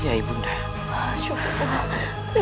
hanya bagaikan semua culry kamuble